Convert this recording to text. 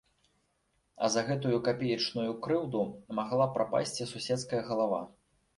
А за гэтую капеечную крыўду магла прапасці суседская галава.